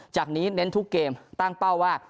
จากนี้เน้นทุกเกมตั้งเป้าว่า